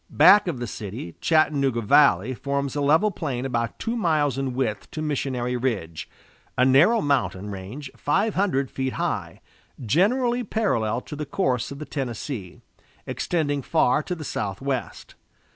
Back of the city, Chattanooga valley forms a level plain about two miles in width to Missionary Ridge, a narrow mountain range five hundred feet high, generally parallel to the course of the Tennessee, extending far to the southwest.